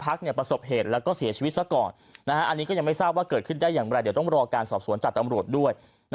อันนี้ก็ยังไม่ทราบว่าเกิดขึ้นได้อย่างไรเดี๋ยวต้องรอการสอบสนจัดอำรวจด้วย